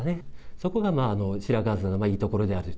そこが白川砂のいいところであると。